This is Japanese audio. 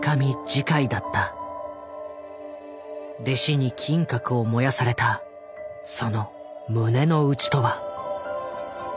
弟子に金閣を燃やされたその胸の内とは。